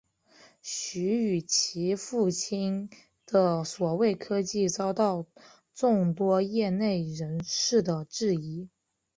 徐与其父亲的所谓科技遭到众多业内人士的质疑。